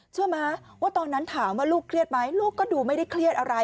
เชื่อไหมว่าตอนนั้นถามว่าลูกเครียดไหมลูกก็ดูไม่ได้เครียดอะไร